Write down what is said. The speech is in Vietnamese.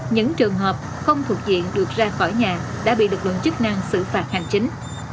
những trường hợp không thuộc diện được ra khỏi nhà đã bị lực lượng chức năng xử phạt hành chính